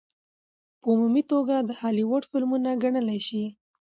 په عمومي توګه د هالي وډ فلمونه ګڼلے شي.